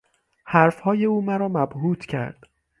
حرف های او مرا مبهوت کرد.